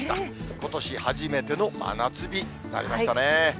ことし初めての真夏日になりましたね。